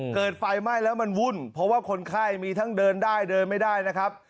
เกิดไฟไหม้แล้วมันวุ่นเพราะว่าคนไข้มีทั้งเดินได้เดินไม่ได้นะครับ